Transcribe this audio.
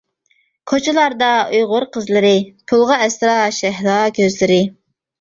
كوچىلاردا ئۇيغۇر قىزلىرى، پۇلغا ئەسرا شەھلا كۆزلىرى.